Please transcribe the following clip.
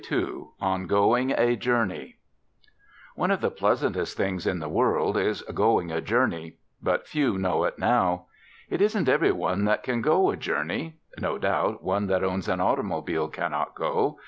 II ON GOING A JOURNEY One of the pleasantest things in the world is "going a journey" but few know it now. It isn't every one that can go a journey. No doubt one that owns an automobile cannot go.